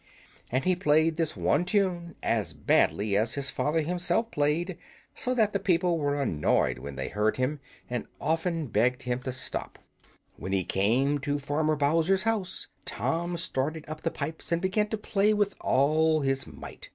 And he played this one tune as badly as his father himself played, so that the people were annoyed when they heard him, and often begged him to stop. When he came to Farmer Bowser's house, Tom started up the pipes and began to play with all his might.